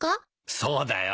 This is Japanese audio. そうだよ。